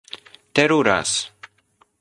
teruras